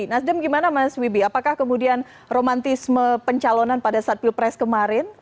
nasdem gimana mas wibi apakah kemudian romantisme pencalonan pada saat pilpres kemarin